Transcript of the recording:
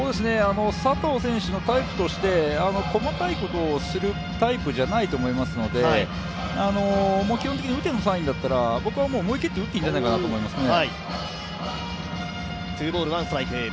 佐藤選手のタイプとして細かいことをするタイプじゃないと思いますから基本的に打てのサインだったら、思い切って打っていいんじゃないかと思いますね。